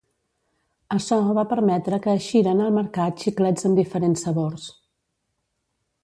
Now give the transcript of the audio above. Açò va permetre que eixiren al mercat xiclets amb diferents sabors.